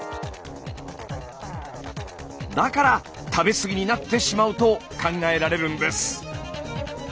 だから食べ過ぎになってしまうと考えられるんです。